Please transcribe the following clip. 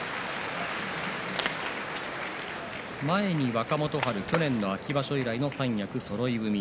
前に若元春、去年の秋場所以来の三役そろい踏み。